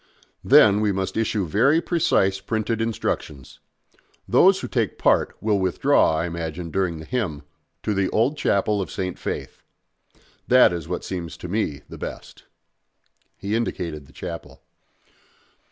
Then we must issue very precise printed instructions. Those who take part will withdraw, I imagine, during the hymn, to the old chapel of St. Faith. That is what seems to me the best." He indicated the chapel.